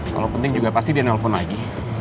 kalau penting juga pasti dia nelfon lagi